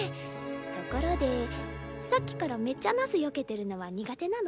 ところでさっきからめっちゃナスよけてるのは苦手なの？